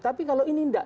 tapi kalau ini tidak